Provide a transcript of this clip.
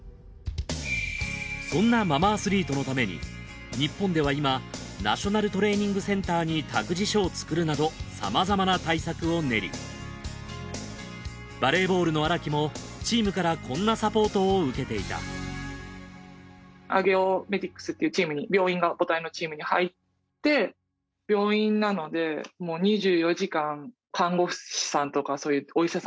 そんなママアスリートのために日本では今ナショナルトレーニングセンターに託児所を作るなどさまざまな対策を練りバレーボールの荒木もチームからこんなサポートを受けていた病院なのでやっぱり個人じゃなくて現状だと思います。